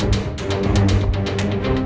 masih sibuk urusan percintaan